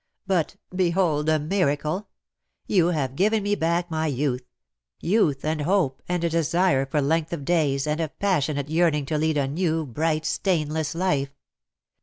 But — behold a miracle !— you have given me back my youth — youth and hope, and a desire for length of days, and a passionate yearning to lead a new, bright, stainless life.